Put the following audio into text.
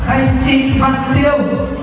anh chị bắt điêu